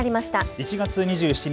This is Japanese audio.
１月２７日